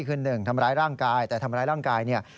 คือ๑ทำร้ายร่างกายแต่ทำร้ายร่างกาย